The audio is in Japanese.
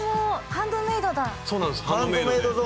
ハンドメイドで。